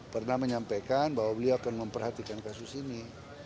pernah menyampaikan bahwa beliau akan memperhatikan kasus ini